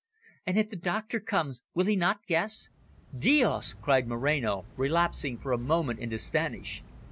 "And if the doctor comes, will he not guess?" "Dios!" cried Moreno, relapsing for a moment into Spanish.